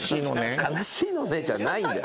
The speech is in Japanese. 「悲しいのねん」じゃないんだよ。